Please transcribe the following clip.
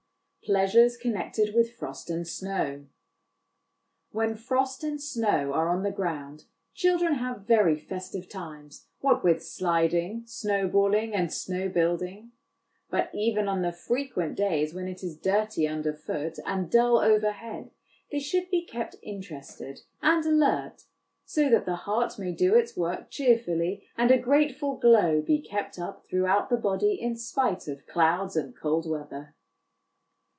Pleasures connected with Frost and Snow. When frost and snow are on the ground children have verv festive times, what with sliding, snow balling, and snow building. But even on the frequent days when it is dirty under foot and dull over head they should be kept interested and alert, so that the heart may do its work cheerfully, and a grateful glow be kept up throughout the body in spite of clouds and cold weather.